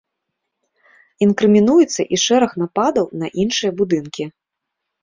Інкрымінуецца і шэраг нападаў на іншыя будынкі.